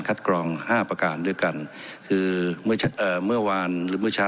กรองห้าประการด้วยกันคือเมื่อเอ่อเมื่อวานหรือเมื่อเช้า